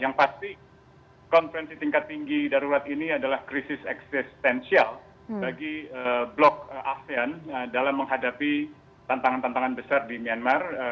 yang pasti konferensi tingkat tinggi darurat ini adalah krisis eksistensial bagi blok asean dalam menghadapi tantangan tantangan besar di myanmar